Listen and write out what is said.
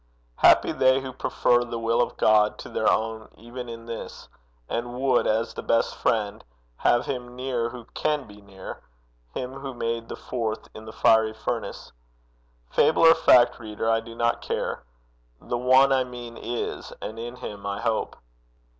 Happy they who prefer the will of God to their own even in this, and would, as the best friend, have him near who can be near him who made the fourth in the fiery furnace! Fable or fact, reader, I do not care. The One I mean is, and in him I hope.